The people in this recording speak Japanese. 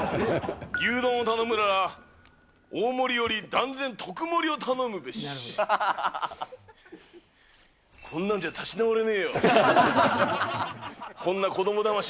牛丼を頼むなら、大盛りより断然特盛りを頼むべし。